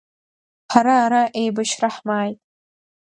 Ҳара ара еибашьра ҳмааит.